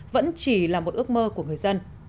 vẫn chỉ là một ước mơ của người dân